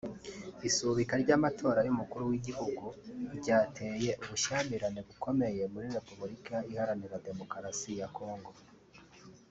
Isubika ry'amatora y'umukuru w'igihugu ryateye ubushyamirane bukomeye muri Repubulika Iharanira Demokarasi ya Congo